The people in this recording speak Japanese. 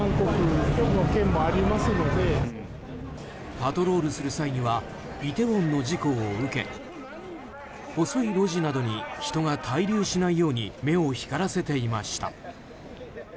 パトロールする際にはイテウォンの事故を受け細い路地などに人が滞留しないように目を光らせていました。